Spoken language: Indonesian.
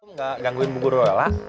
gak gangguin bu guru rola